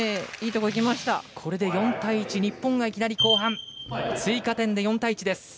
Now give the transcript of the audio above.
これで４対１日本がいきなり後半追加点で４対１です。